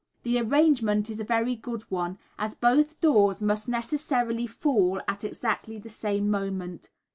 The arrangement is a very good one; as both doors must necessarily fall at exactly the same moment.